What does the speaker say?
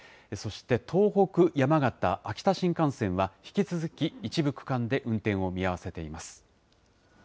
そして、東北・山形・秋田新幹線は、引き続き一部区間で運転を見合わせています。